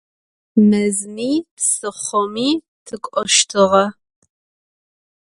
Mezmi psıxhomi tık'oştığe.